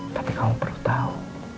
tapi kamu perlu tahu